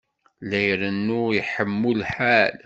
La irennu iḥemmu lḥal.